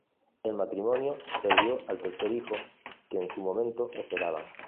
El matrimonio perdió al tercer hijo que en su momento esperaban.